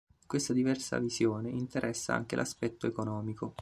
Questa diversa visione interessa anche l'aspetto economico.